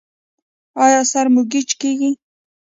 ایا سر مو ګیچ کیږي؟